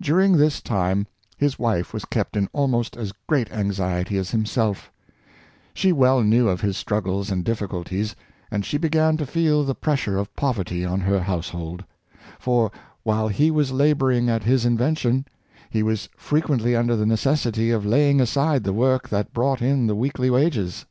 During this time his wife was kept in almost as great anxiety as himself She well knew of his struggles and difficulties, and she began to feel the pressure of poverty on her household; for, while he was laboring at his invention, he was frequent ly under the necessity of laying aside the work that brought in the weekly wages.